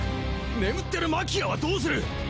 眠ってるマキアはどうする？